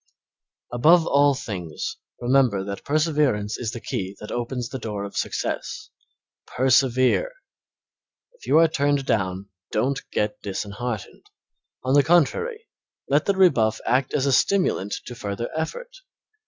Above all things, remember that perseverance is the key that opens the door of success. Persevere! If you are turned down don't get disheartened; on the contrary, let the rebuff act as a stimulant to further effort.